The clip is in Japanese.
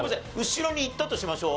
後ろに行ったとしましょう。